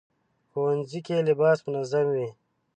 ښوونځی کې لباس منظم وي